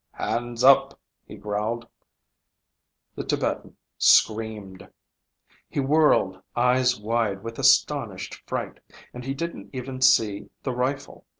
"Hands up," he growled. The Tibetan screamed. He whirled, eyes wide with astonished fright, and he didn't even see the rifle.